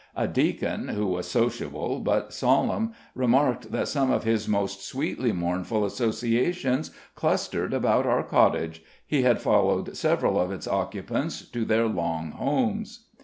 A deacon, who was sociable but solemn, remarked that some of his most sweetly mournful associations clustered about our cottage he had followed several of its occupants to their long homes.